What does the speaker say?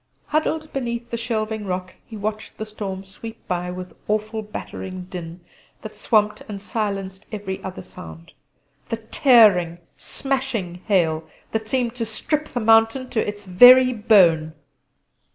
Huddled beneath the shelving rock he watched the storm sweep by with awful battering din that swamped and silenced every other sound the tearing, smashing hail that seemed to strip the mountain to its very bone.